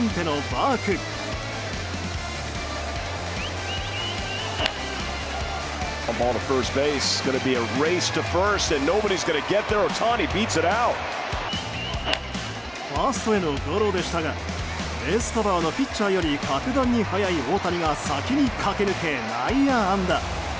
ファーストへのゴロでしたがベースカバーのピッチャーより格段に速い大谷が先に駆け抜け、内野安打。